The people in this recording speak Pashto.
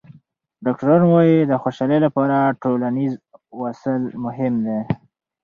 ډاکټران وايي د خوشحالۍ لپاره ټولنیز وصل مهم دی.